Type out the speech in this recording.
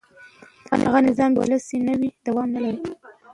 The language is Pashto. هغه نظام چې ولسي نه وي دوام نه لري